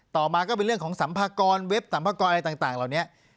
ต่อมาก็เป็นเรื่องของสัมภากรเว็บสัมภากรอะไรต่างเหล่านี้